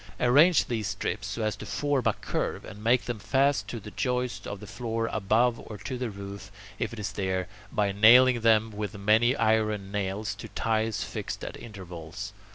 Arrange these strips so as to form a curve, and make them fast to the joists of the floor above or to the roof, if it is there, by nailing them with many iron nails to ties fixed at intervals.